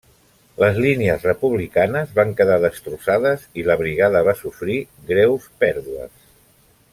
Les línies republicanes van quedar destrossades i la brigada va sofrir greus pèrdues.